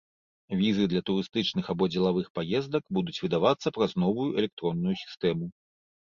Візы для турыстычных або дзелавых паездак будуць выдавацца праз новую электронную сістэму.